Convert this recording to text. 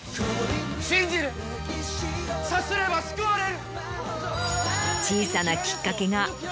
信じるさすれば救われる。